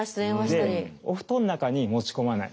お布団の中に持ち込まない。